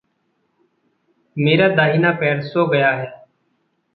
मेरा दाहिना पैर सो गया है।